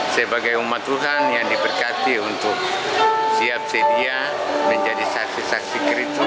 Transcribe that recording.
sebagai umat tuhan yang diberkati untuk siap sedia menjadi saksi saksi kericu